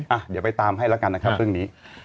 อ่ะเดี๋ยวไปตามให้แล้วกันนะครับเรื่องนี้